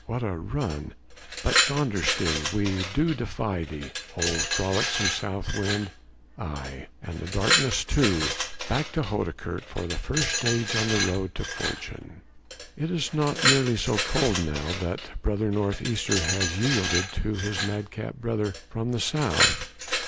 what a run! But Dondersteen! we do defy thee, O frolicsome south wind! aye, and the darkness too! Back to Houdekerk, the first stage on the road to fortune. It is not nearly so cold now that brother north easter has yielded to his madcap brother from the south!